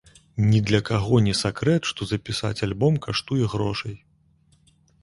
Ні для каго не сакрэт, што запісаць альбом каштуе грошай.